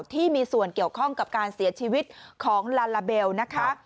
ที่มีส่วนเกี่ยวข้องกับการเสียชีวิตของลาลาเบลนะคะ